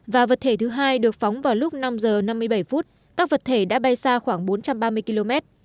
và vật thể thứ hai được phóng vào lúc năm h năm mươi bảy phút các vật thể đã bay xa khoảng bốn trăm ba mươi km